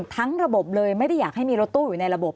ทั้งระบบเลยไม่ได้อยากให้มีรถตู้อยู่ในระบบ